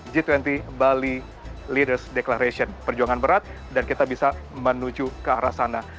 jadi bali leaders declaration perjuangan berat dan kita bisa menuju ke arah sana